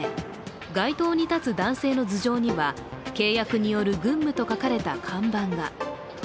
街頭に立つ女性の頭上には契約による軍務と書かれた看板が。